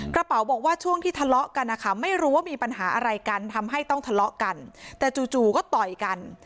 บอกว่าช่วงที่ทะเลาะกันนะคะไม่รู้ว่ามีปัญหาอะไรกันทำให้ต้องทะเลาะกันแต่จู่ก็ต่อยกัน